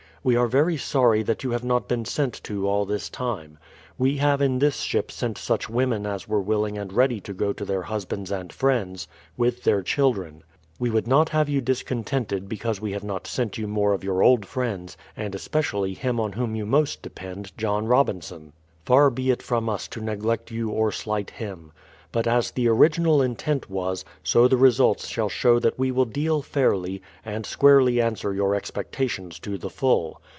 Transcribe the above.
W^e are very sorry that you have not been sent to all this time. ... We have in this ship sent such v.'omen as were willing and ready to go to their husbands and friends, Avith their children. ... We would not have 3'ou discontented be cause we have not sent you more of your old friends, and especially him on whom you most depend, John Robinson. Far be it from us to neglect you or slight him. But as the original intent was, so the results shall show that v/e will deal fairly, and squarely answer j'our expectations to the full.